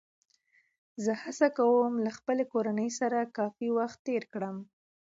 زه هڅه کوم له خپلې کورنۍ سره کافي وخت تېر کړم